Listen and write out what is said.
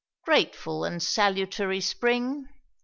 Grateful and salutary Spring!